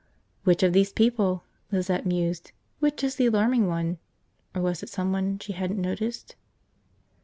Which of these people, Lizette mused, which is the alarming one? Or was it someone she hadn't noticed.